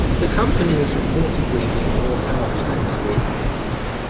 The company is reportedly being bought out next week.